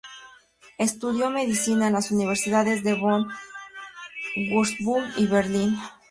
Estudió Medicina en las Universidades de Bonn, Würzburg y Berlín.